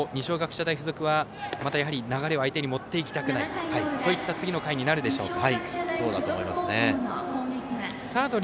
逆に言いますと二松学舎大付属はまた、流れを相手に持っていきたくないそういった次の回になるでしょうか。